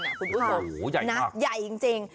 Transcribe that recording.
โหใหญ่มากใหญ่จริง